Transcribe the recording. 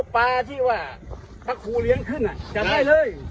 เอาปลาที่ว่าพระครูเลี้ยงขึ้นอ่ะจะได้เลย